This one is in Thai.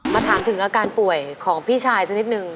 ถามถึงอาการป่วยของพี่ชายสักนิดนึง